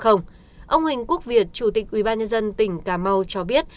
ông huỳnh quốc việt chủ tịch ubnd tỉnh cà mau cho biết